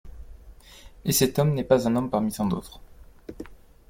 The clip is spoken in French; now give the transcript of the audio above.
Et cet homme n'est pas un homme parmi tant d'autres.